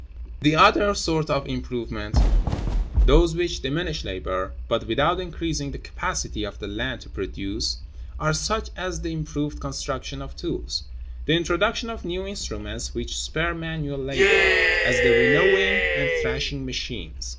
(2.) The other sort of improvements, those which diminish labor, but without increasing the capacity of the land to produce, are such as the improved construction of tools; the introduction of new instruments which spare manual labor, as the winnowing and thrashing machines.